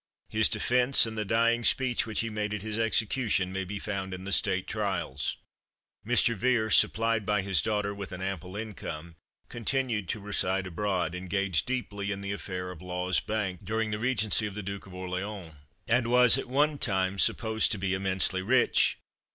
His defence, and the dying speech which he made at his execution, may be found in the State Trials. Mr. Vere, supplied by his daughter with an ample income, continued to reside abroad, engaged deeply in the affair of Law's bank during the regency of the Duke of Orleans, and was at one time supposed to be immensely rich.